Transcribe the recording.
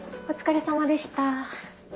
お疲れさまです。